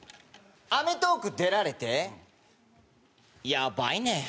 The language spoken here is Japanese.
『アメトーーク』出られてやばいねぇ。